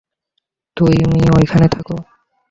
তুমি ওখানেই থাকো।